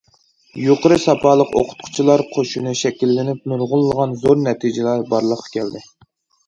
يۇقىرى ساپالىق ئوقۇتقۇچىلار قوشۇنى شەكىللىنىپ نۇرغۇنلىغان زور نەتىجىلەر بارلىققا كەلدى.